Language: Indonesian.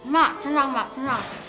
mak tenang mak tenang